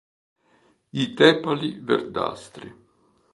I tepali verdastri.